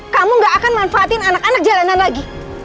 kamu gak akan manfaatin anak anak jalanan lagi